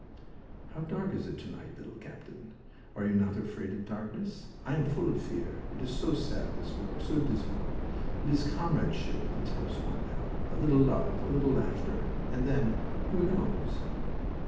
"How dark it is to night, little captain! Are you not afraid of darkness? I am full of fear. It is so sad, this war, so dismal! It is comradeship that helps one now!... A little love... a little laughter, and then who knows?"